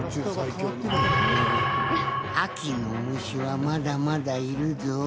秋の虫はまだまだいるぞ！